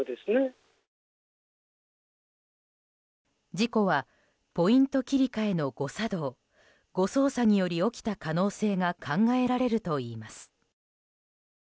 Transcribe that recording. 事故はポイント切り替えの誤作動誤操作により起きた可能性が考えられるといいます。